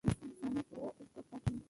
জানি, তো উত্তরটা কী?